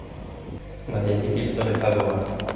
Vous m’aviez dit qu’il serait favorable.